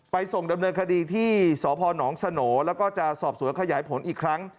ส่งดำเนินคดีที่สพนสโหนแล้วก็จะสอบสวนขยายผลอีกครั้ง